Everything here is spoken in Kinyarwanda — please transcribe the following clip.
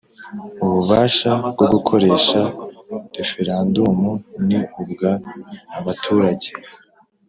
Ububasha bwo gukoresha referandumu ni ubwa abaturage